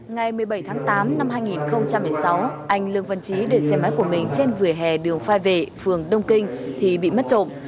ngày một mươi bảy tháng tám năm hai nghìn một mươi sáu anh lương văn trí để xe máy của mình trên vỉa hè đường phai vệ phường đông kinh thì bị mất trộm